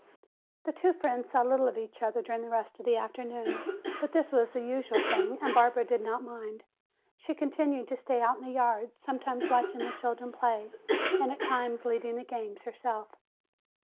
The two friends saw little of each other during the rest of the afternoon. But this was the usual thing and Barbara did not mind. She continued to stay out in the yard, sometimes watching the children play and at other times leading the games herself.